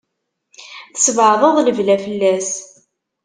Tesbeɛdeḍ lebla fell-as.